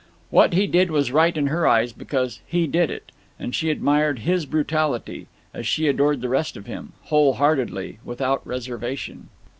What he did was right in her eyes, because he did it, and she admired his brutality, as she adored the rest of him, whole heartedly, without reservation.